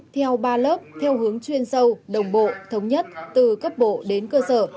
theo ba lớp theo hướng chuyên sâu đồng bộ thống nhất từ cấp bộ đến cơ sở